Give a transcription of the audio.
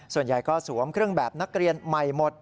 ส่วนใหญ่ก็สวมเครื่องแบบนักเรียนใหม่หมด